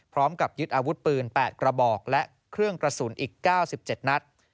พร้อมกับยึดอาวุธปืน๘กระบอกและเครื่องกระสุนอีก๙๗นัด